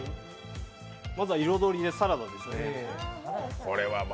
まずは彩りでサラダですね。